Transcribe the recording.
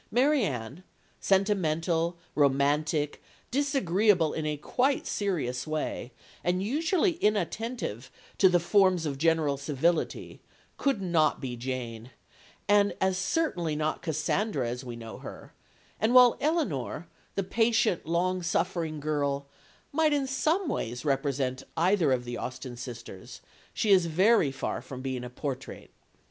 Marianne, sentimental, romantic, disagreeable in a quite serious way, and usually inattentive "to the forms of general civility," could not be Jane, and as certainly not Cassandra as we know her, and while Elinor, the patient, long suffering girl, might in some ways represent either of the Austen sisters, she is very far from being a portrait.